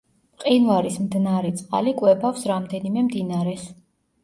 მყინვარის მდნარი წყალი კვებავს რამდენიმე მდინარეს.